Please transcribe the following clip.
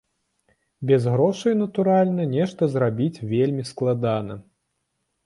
Без грошай, натуральна, нешта зрабіць вельмі складана.